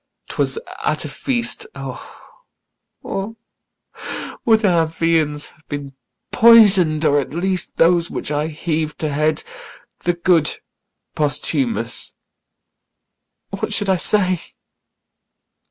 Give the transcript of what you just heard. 'twas at a feast O, would Our viands had been poison'd, or at least Those which I heav'd to head! the good Posthumus What should I say?